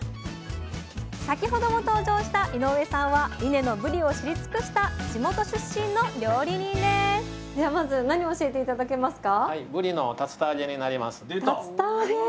先ほども登場した井上さんは伊根のぶりを知り尽くした地元出身の料理人ですではまず何を教えて頂けますか？